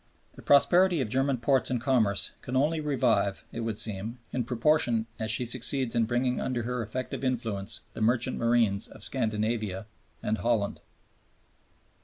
The prosperity of German ports and commerce can only revive, it would seem, in proportion as she succeeds in bringing under her effective influence the merchant marines of Scandinavia and of Holland.